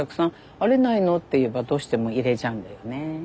「あれないの？」って言えばどうしても入れちゃうんだよね。